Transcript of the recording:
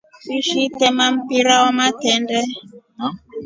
Wishi itema mpira wa matendee?